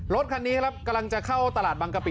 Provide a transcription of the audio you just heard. รถคันนี้ครับกำลังจะเข้าตลาดบางกะปิ